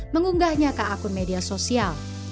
mengunggahnya ke akun media sosial